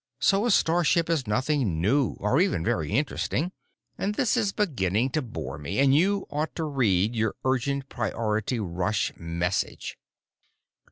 So a starship is nothing new or even very interesting, and this is beginning to bore me, and you ought to read your urgent priority rush message."